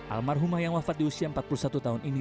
almarhumah yang wafat di usia empat puluh satu tahun ini